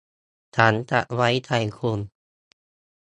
ฉันจะไว้วางใจคุณ